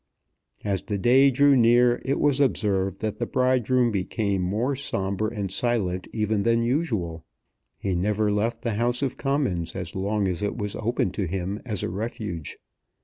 As the day drew near it was observed that the bridegroom became more sombre and silent even than usual. He never left the House of Commons as long as it was open to him as a refuge.